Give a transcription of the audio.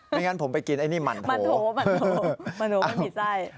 ไม่งั้นผมไปกินไอ้นี่หมั่นโถหมั่นโถมันมีไส้